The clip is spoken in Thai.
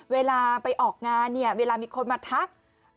เวลาไปออกงานเวลามีคนมาทัก